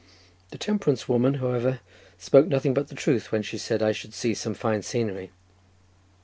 The temperance woman, however, spoke nothing but the truth, when she said I should see some fine scenery.